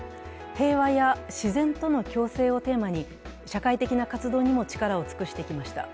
平和や自然との共生をテーマに社会的な活動にも力を尽くしてきました。